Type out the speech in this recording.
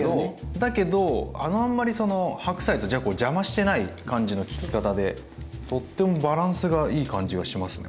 だけどあんまりその白菜とじゃこを邪魔してない感じの効き方でとってもバランスがいい感じがしますね。